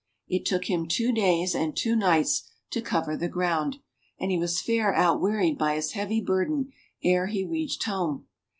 It took him two days and two nights to cover the ground, and he was fair outwearied by his heavy burden ere he reached home.